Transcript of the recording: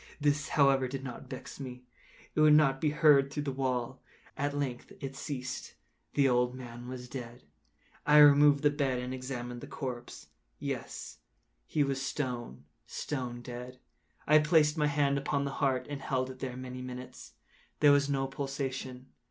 This, however, did not vex me; it would not be heard through the wall. At length it ceased. The old man was dead. I removed the bed and examined the corpse. Yes, he was stone, stone dead. I placed my hand upon the heart and held it there many minutes. There was no pulsation.